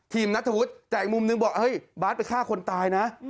ทีมนัฐวุธแจกมุมหนึ่งบอกเฮ้ยบาร์ทไปฆ่าคนตายนะ